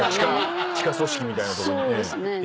地下組織みたいなとこに。